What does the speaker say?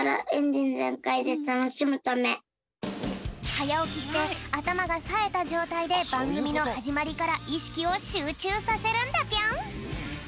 はやおきしてあたまがさえたじょうたいでばんぐみのはじまりからいしきをしゅうちゅうさせるんだぴょん！